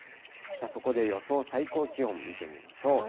そこで予想最高気温見てみましょ